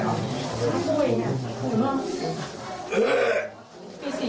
ถ้าป่วยเนี่ย